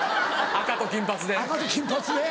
赤と金髪で。